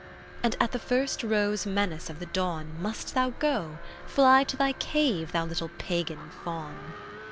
And at the first rose menace of the dawn Must thou go, Fly to thy cave, thou little pagan Faun?